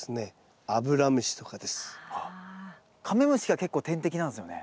あっカメムシが結構天敵なんですよね。